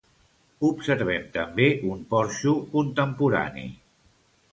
Observem també un porxo contemporani.